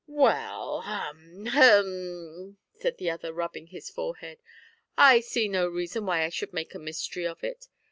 "Well ha! hem!" said the other, rubbing his forehead; "I see no reason why I should make a mystery of it.